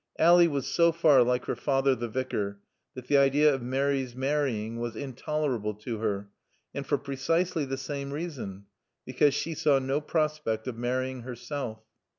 Ally was so far like her father the Vicar, that the idea of Mary's marrying was intolerable to her and for precisely the same reason, because she saw no prospect of marrying herself.